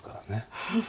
フフフ。